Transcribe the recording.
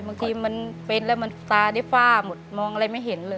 บางทีมันเป็นแล้วมันตาได้ฝ้าหมดมองอะไรไม่เห็นเลย